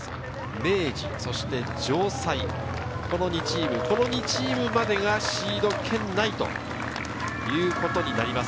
明治、そして城西、この２チームまでがシード圏内ということになります。